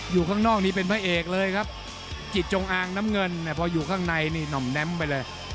อยู่ข้างนอกนี้เป็นพระเอกเลยครับจิตจงอางน้ำเงินเนี่ยพออยู่ข้างในนี่หน่อมแน้มไปเลย